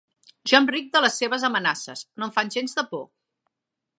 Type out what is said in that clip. Jo em ric de les seves amenaces: no em fan gens de por.